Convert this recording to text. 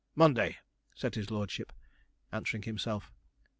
Monday,' said his lordship, answering himself.